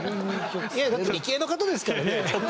いやだって理系の方ですからね。